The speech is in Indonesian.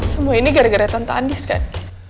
semua ini gara gara tanto andis kan